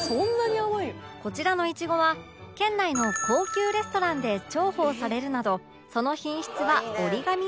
こちらのいちごは県内の高級レストランで重宝されるなどその品質は折り紙付き